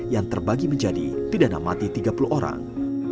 yang terbagi menjadi pidana mati tiga puluh orang